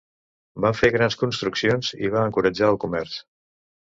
Va fer grans construccions i va encoratjar el comerç.